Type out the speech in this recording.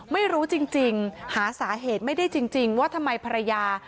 ไม่รู้จริงหาสาเหตุไม่ได้จริงว่าทำไมภรรยา